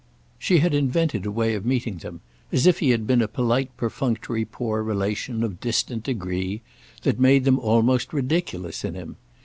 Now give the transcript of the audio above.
She had invented a way of meeting them—as if he had been a polite perfunctory poor relation, of distant degree—that made them almost ridiculous in him.